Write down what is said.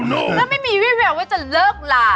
แล้วไม่มีวิแววว่าจะเลิกลา